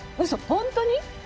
本当に。